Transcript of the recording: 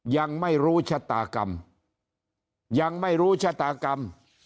ยังไม่รู้ชะตากรรมยังไม่รู้ชะตากรรม